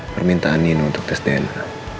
permintaan nino untuk tes dna